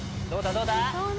どうだ？